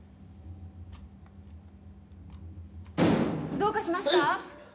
どうかしました？